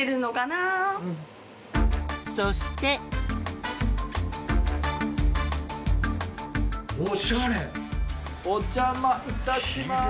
そしてお邪魔いたします。